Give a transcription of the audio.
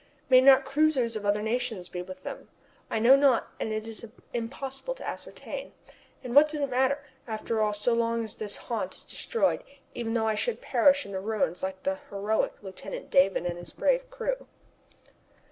May not cruisers of other nations be with them? I know not, and it is impossible to ascertain. And what does it matter, after all, so long as this haunt is destroyed, even though I should perish in the ruins like the heroic Lieutenant Davon and his brave crew?